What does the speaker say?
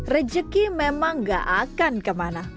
rejeki memang gak akan kemana